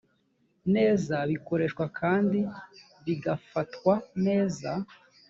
neza bikoreshwa kandi bigafatwa neza